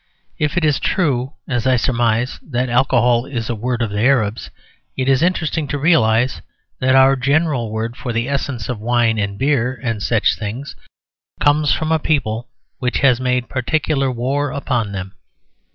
If it is true, as I surmise, that "alcohol" is a word of the Arabs, it is interesting to realise that our general word for the essence of wine and beer and such things comes from a people which has made particular war upon them.